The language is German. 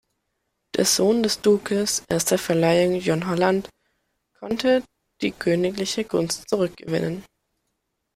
Der Sohn des Dukes erster Verleihung John Holland konnte die königliche Gunst zurückgewinnen.